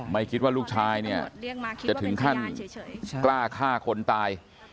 ไม่คิดว่าลูกชายเนี่ยจะถึงขั้นกล้าฆ่าคนตาย